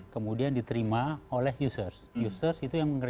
kemudian diterima oleh user